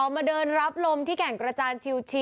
มาเดินรับลมที่แก่งกระจานชิว